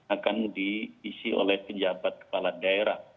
akan diisi oleh penjabat kepala daerah